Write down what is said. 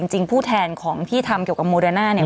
ผู้แทนของที่ทำเกี่ยวกับโมเดอร์น่าเนี่ย